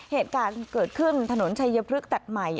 เหตุการณ์เกิดขึ้นถนนชัยพฤกษ์ตัดใหม่